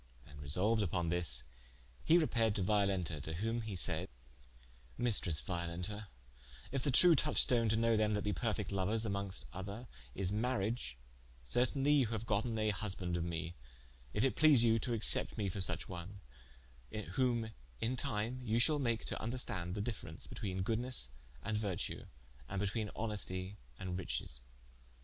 And resolued vpon this, hee repaired to Violenta, to whom he said: "Maistresse Violenta, if the true touchstone to knowe them that be perfecte louers (amonges other) is mariage, certainly you haue gotten a husbande of me, if it please you to accepte me for suche one, whom in time you shall make to vnderstande the difference betweene goodes and vertue, and betweene honestie and richesse."